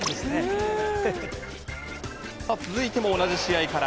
続いても同じ試合から。